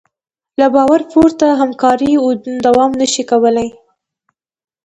له باور پرته همکاري دوام نهشي کولی.